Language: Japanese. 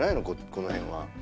この辺は？